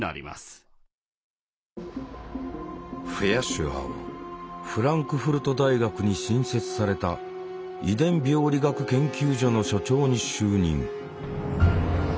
シュアーはフランクフルト大学に新設された遺伝病理学研究所の所長に就任。